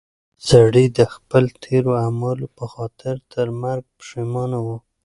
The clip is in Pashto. سړی د خپلو تېرو اعمالو په خاطر تر مرګ پښېمانه و.